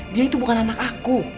dia itu bukan anak aku